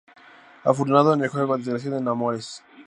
Afortunado en el juego, desgraciado en amores